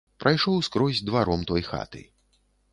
Прайшоў скрозь дваром той хаты.